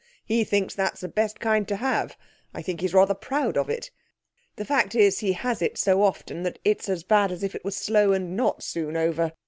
He thinks that's the best kind to have. I think he's rather proud of it. The fact is he has it so often that it's as bad as if it were slow and not soon over.